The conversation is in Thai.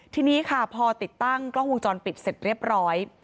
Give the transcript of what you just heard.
ทีนี้ค่ะพอติดตั้งกล้องวงจรปิดเสร็จเรียบร้อย